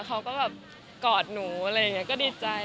เขาก็แบบกอดหนูอะไรอย่างนี้ก็ดีใจ